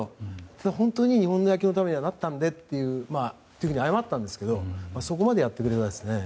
ただ、本当に日本の野球のためにはなったのでと謝ったんですけどそこまでやってくれましたね。